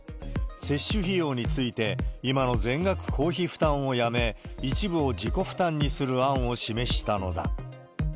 接種費用について、今の全額公費負担をやめ、一部を自己負担にする案を示したのだ。